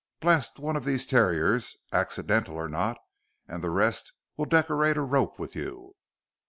"Blast one of these terriers, accidental or not, and the rest will decorate a rope with you."